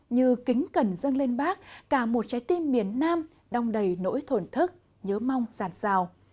như kính cần dâng lên bác cả một trái tim miền nam đong đầy nỗi thổn thức nhớ mong sàn sào